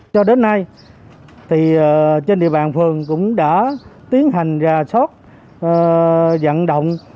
cho đến nay trên địa bàn phường cũng đã tiến hành ra sót dẫn động